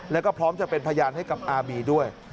แล้วก็พร้อมจะเป็นพยานให้กับอาบีด้วย